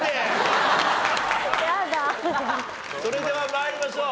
それでは参りましょう。